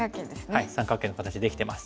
はい三角形の形できてます。